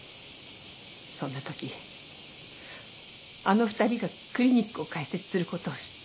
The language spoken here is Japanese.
そんな時あの２人がクリニックを開設する事を知った。